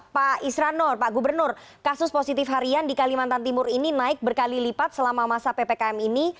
pak isran nur pak gubernur kasus positif harian di kalimantan timur ini naik berkali lipat selama masa ppkm ini